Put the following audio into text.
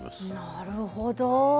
なるほど。